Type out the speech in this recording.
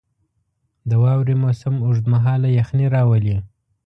• د واورې موسم اوږد مهاله یخني راولي.